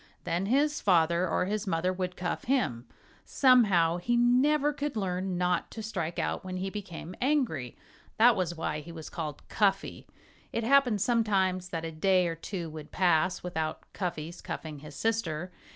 Then his father or his mother would cuff him. Somehow, he never could learn not to strike out when he became angry. That was why he was called Cuffy. It happened sometimes that a day or two would pass without Cuffy's cuffing his sister.